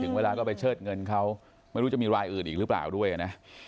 เวลาก็ไปเชิดเงินเขาไม่รู้จะมีรายอื่นอีกหรือเปล่าด้วยนะ